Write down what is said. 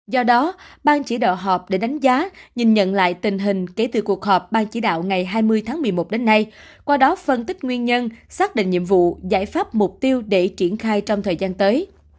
do đó ban chỉ đạo họp để đánh giá nhìn nhận lại tình hình kể từ cuộc họp ban chỉ đạo ngày hai mươi tháng một mươi một đến nay qua đó phân tích nguyên nhân xác định nhiệm vụ giải pháp mục tiêu để triển khai trong thời gian tới